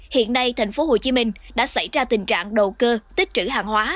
hiện nay thành phố hồ chí minh đã xảy ra tình trạng đầu cơ tích trữ hàng hóa